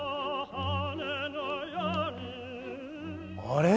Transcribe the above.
あれ？